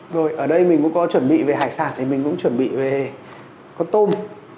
rồi ở đây mình cũng có chuẩn bị về hải sản thì mình cũng chuẩn bị về con tôm